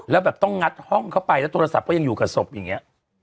แล้วแบบต้องงัดห้องเข้าไปแล้วโทรศัพท์ก็ยังอยู่กับศพอย่างนี้